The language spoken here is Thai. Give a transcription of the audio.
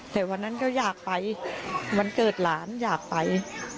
แต่วันนั้นก็อยากไปวันเกิดหลานอยากไป